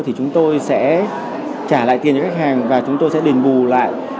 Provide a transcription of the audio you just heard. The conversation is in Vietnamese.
thì chúng tôi sẽ trả lại tiền cho khách hàng và chúng tôi sẽ đền bù lại